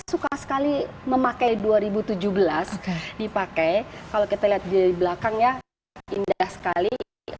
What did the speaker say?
suka sekali memakai dua ribu tujuh belas dipakai kalau kita lihat di belakang ya indah sekali